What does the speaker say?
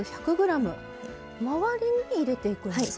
周りに入れていくんですか？